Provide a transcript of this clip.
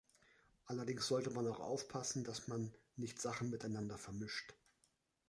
Allerdings sollte man auch aufpassen, dass man nicht Sachen miteinander vermischt.